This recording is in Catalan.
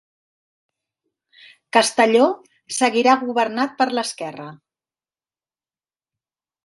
Castelló seguirà governat per l'esquerra